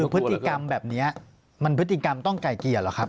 คือพฤติกรรมแบบนี้มันพฤติกรรมต้องกายเกียรติเหรอครับ